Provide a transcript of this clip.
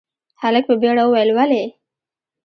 هلک په بيړه وويل، ولې؟